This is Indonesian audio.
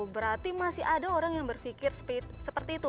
berarti masih ada orang yang berpikir seperti itu